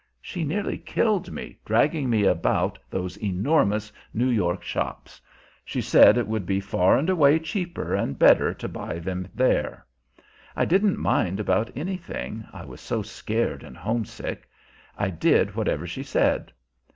She nearly killed me, dragging me about those enormous New York shops. She said it would be far and away cheaper and better to buy them there. I didn't mind about anything, I was so scared and homesick; I did whatever she said.